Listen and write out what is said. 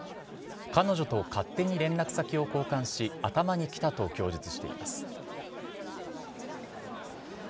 彼女と勝手に連絡先を交換し、頭にきたと供述しています。